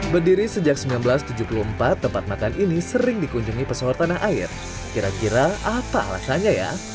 berdiri sejak seribu sembilan ratus tujuh puluh empat tempat makan ini sering dikunjungi pesawat tanah air kira kira apa alasannya ya